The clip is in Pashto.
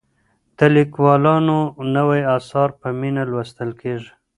د ليکوالانو نوي اثار په مينه لوستل کېږي.